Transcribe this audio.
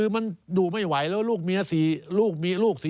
มันก็แป๋ไปได้เด็ก